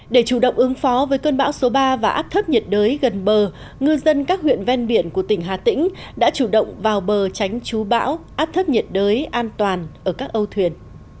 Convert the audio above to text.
để chủ động ứng phó với cơn bão số ba và áp thấp nhiệt đới gần bờ ngư dân các huyện ven biển của tỉnh hà tĩnh đã chủ động vào bờ tránh chú bão áp thấp nhiệt đới an toàn ở các âu thuyền